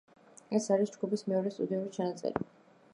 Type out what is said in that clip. ეს არის ჯგუფის მეორე სტუდიური ჩანაწერი.